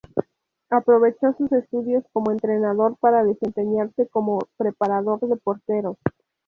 Aprovechó sus estudios como entrenador para desempeñarse como preparador de porteros.